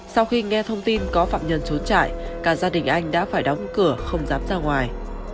sau khi nghe thông tin có phạm nhân trốn trại cả gia đình anh đã phải đóng cửa không dám ra ngoài